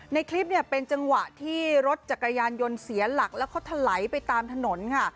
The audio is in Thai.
ในคลิปเป็นจังหวะที่รถจักรยานยนทร์เสียหลักและทำไหลไปตามถนน